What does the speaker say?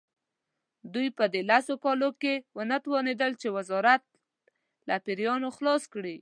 دوی په دې لسو کالو کې ونه توانېدل چې وزارت له پیریانو خلاص کړي.